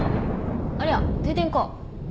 ありゃ停電か。